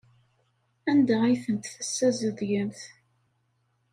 Anda ay tent-tessazedgemt?